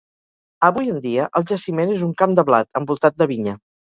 Avui en dia, el jaciment és un camp de blat, envoltat de vinya.